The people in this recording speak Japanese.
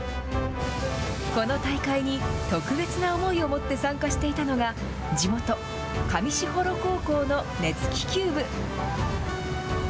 この大会に、特別な思いを持って参加していたのが、地元、上士幌高校の熱気球部。